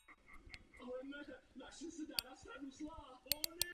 Datum založení farnosti není známo.